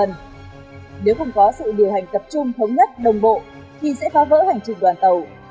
nếu không có sự điều hành tập trung thống nhất đồng bộ thì sẽ phá vỡ hành trình đoàn tàu